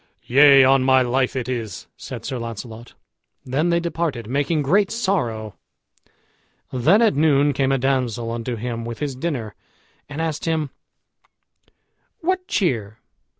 "Yea, on my life it is," said Sir Launcelot. Then they departed, making great sorrow. Then at noon came a damsel unto him with his dinner, and asked him, "What cheer?"